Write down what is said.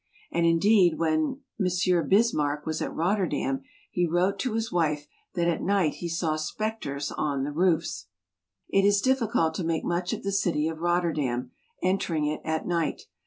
" And, indeed, when M. Bismarck was at Rotterdam he wrote to his wife that at night he saw specters on the roofs. It is difficult to make much of the city of Rotterdam, en tering it at night.